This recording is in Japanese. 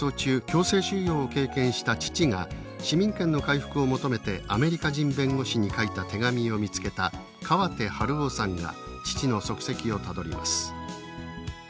強制収容を経験した父が市民権の回復を求めてアメリカ人弁護士に書いた手紙を見つけた川手晴夫さんが父の足跡をたどります。